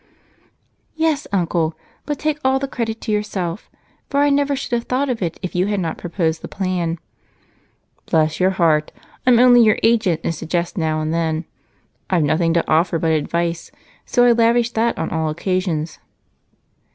"Yes, Uncle, but take all the credit to yourself, for I never should have thought of it if you had not proposed the plan." "Bless your heart! I'm only your agent, and suggest now and then. I've nothing to offer but advice, so I lavish that on all occasions."